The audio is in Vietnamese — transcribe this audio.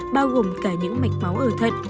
bao gồm cả những mạch máu ở thận